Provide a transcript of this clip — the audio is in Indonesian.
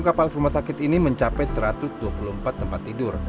enam puluh kapal rumah sakit ini mencapai satu ratus dua puluh empat tempat tidur